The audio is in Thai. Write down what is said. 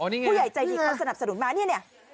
ผู้ใหญ่ใจดีเขาสนับสนุนมาเนี่ย